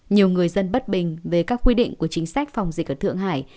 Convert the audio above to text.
nhiều người dân bất bình về các quy định của chính sách phòng dịch ở thượng hải